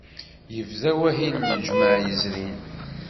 Yebda wahil lǧemɛa yezrin.